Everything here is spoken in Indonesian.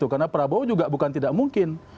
karena prabowo juga bukan tidak mungkin